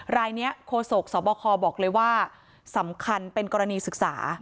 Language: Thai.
รายนี้โคศกสบคบอกเลยว่าสำคัญเป็นกรณีศึกษา